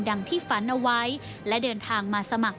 ที่ฝันเอาไว้และเดินทางมาสมัคร